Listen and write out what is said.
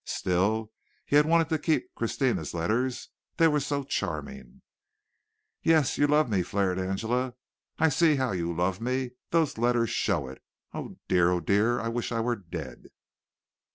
Still he had wanted to keep Christina's letters; they were so charming. "Yes, you love me!" flared Angela. "I see how you love me. Those letters show it! Oh, dear! oh, dear! I wish I were dead."